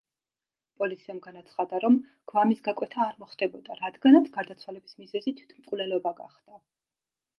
პოლიციამ განაცხადა, რომ გვამის გაკვეთა არ მოხდებოდა, რადგანაც გარდაცვალების მიზეზი თვითმკვლელობა გახდა.